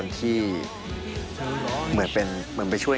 นี่สแตมหักหลังเพื่อนหรอครับ